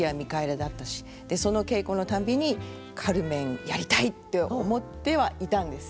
その稽古の度にカルメンやりたいって思ってはいたんです。